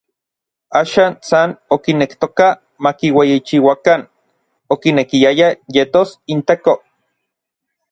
Axan san okinektoka makiueyichiuakan, okinekiaya yetos inTeko.